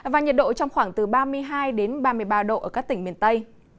và nhiệt độ trong khoảng từ ba mươi hai ba mươi ba độ ở các tỉnh miền tây